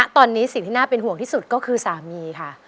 ตอนนี้สิ่งที่น่าเป็นห่วงที่สุดก็คือสามีค่ะ